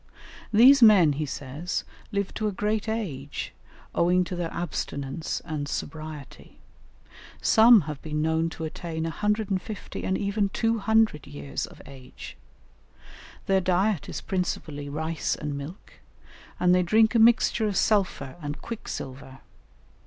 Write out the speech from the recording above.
These men, he says, live to a great age, owing to their abstinence and sobriety; some have been known to attain 150 and even 200 years of age; their diet is principally rice and milk, and they drink a mixture of sulphur and quicksilver.